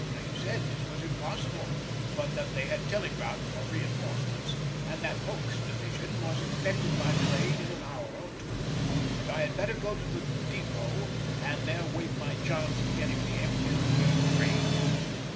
He said this was impossible, but that they had telegraphed for reinforcements, and that Hoke's division was expected by train in an hour or two, and I had better go to the depôt and there wait my chance of getting the empty return train.